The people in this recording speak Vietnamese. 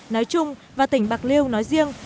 nói chung và tỉnh bạc liêu nói riêng